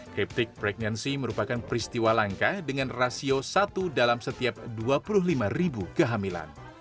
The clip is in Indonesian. cryptic pregnancy merupakan peristiwa langka dengan rasio satu dalam setiap dua puluh lima ribu kehamilan